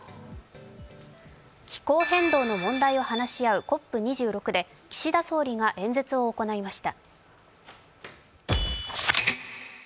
気候変動の問題を話し合うＣＯＰ２６で岸田総理が演説を行いました。